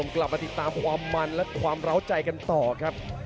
กลับมาติดตามความมันและความเล้าใจกันต่อครับ